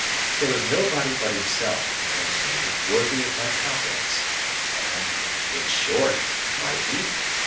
There was nobody but himself, he intimated, worthy of my confidence, and—in short, might he?